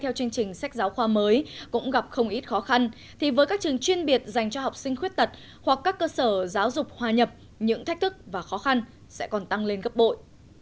nếu các em gặp không ít khó khăn thì với các trường chuyên biệt dành cho học sinh khuyết tật hoặc các cơ sở giáo dục hòa nhập những thách thức và khó khăn sẽ còn tăng lên gấp bội